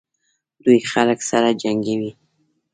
دوی خلک سره جنګوي.